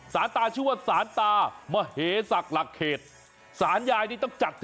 ศาลตาชื่อว่าศาลตามเหศกหลักเหตุ